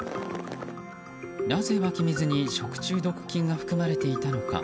なぜ、湧き水に食中毒菌が含まれていたのか。